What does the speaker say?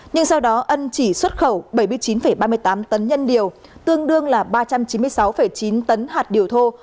nhưng sau đó ân chỉ xuất khẩu bảy mươi chín ba mươi tám tấn nhân điều tương đương là ba trăm chín mươi sáu chín tấn hạt điều thô